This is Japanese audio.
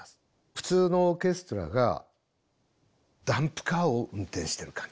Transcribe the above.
普通のオーケストラがダンプカーを運転してる感じ。